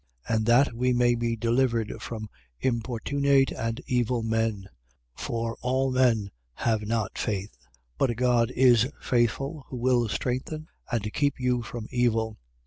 And that we may be delivered from importunate and evil men: for all men have not faith. 3:3. But God is faithful, who will strengthen and keep you from evil.